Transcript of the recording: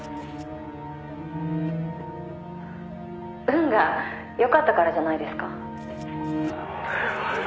「運が良かったからじゃないですか？」